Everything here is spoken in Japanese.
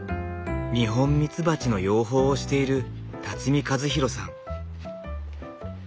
ニホンミツバチの養蜂をしている和宏さん。